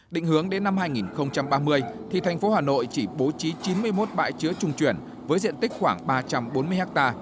định hướng đến năm hai nghìn ba mươi thì thành phố hà nội chỉ bố trí chín mươi một bãi chứa trung chuyển với diện tích khoảng ba trăm bốn mươi ha